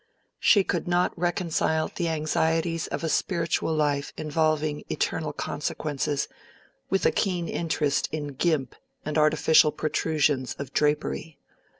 She could not reconcile the anxieties of a spiritual life involving eternal consequences, with a keen interest in gimp and artificial protrusions of drapery.